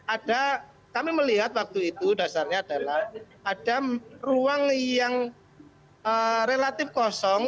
ada kami melihat waktu itu dasarnya adalah ada ruang yang relatif kosong